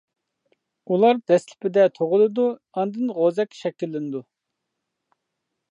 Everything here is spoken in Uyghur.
ئۇلار دەسلىپىدە تۇغۇلىدۇ، ئاندىن غوزەك شەكىللىنىدۇ.